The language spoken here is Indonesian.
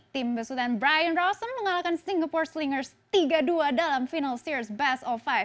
tim besutan brian rossen mengalahkan singapore slingers tiga dua dalam final series best of lima